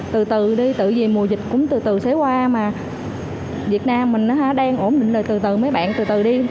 từ từ đi từ gì mùa dịch cũng từ từ sẽ qua mà việt nam mình đang ổn định rồi từ từ mấy bạn từ từ đi